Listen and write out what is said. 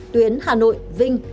tuyến hà nội vinh